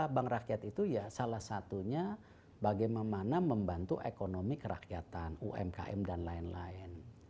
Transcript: bank rakyat itu ya salah satunya bagaimana membantu ekonomi kerakyatan umkm dan lain lain